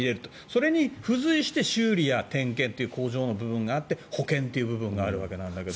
それに付随して修理や点検っていう工場の部分があって保険という部分があるんだけど。